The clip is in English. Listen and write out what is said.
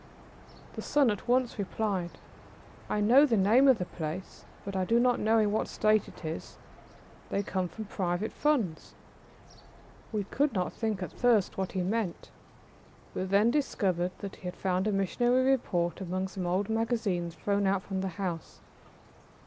The son at once replied: "I know the name of the place, but I do not know in what state it is. They come from Private Funds." We could not think at first what he meant, but then discovered that he had found a missionary report among some old magazines thrown out from the house.